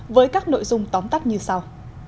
với các nội dung tóm tắt như sau